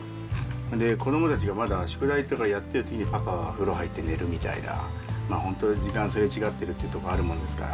それで、子どもたちがまだ宿題とかやってるときにパパは風呂入って寝るみたいな、本当、時間すれ違ってるっていうところあるもんですから。